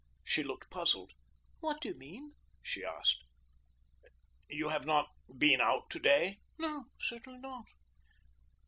She looked puzzled. "What do you mean?" she asked. "You have not been out to day?" "No, certainly not."